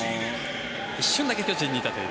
一瞬だけ巨人にいたという。